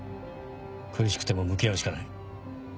苦しくても向き合うしかない。